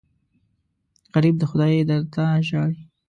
غریب د خدای در ته ژاړي